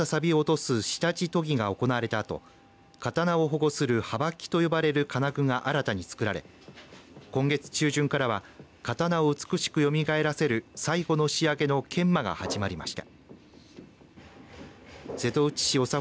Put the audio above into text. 目立ったさびを落とす下地研ぎが行われたあと刀を保護するはばきと呼ばれる金具が新たに作られ今月中旬からは刀を美しくよみがえらせる最後の仕上げの研磨が始まりました。